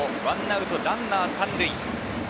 １アウトランナー３塁。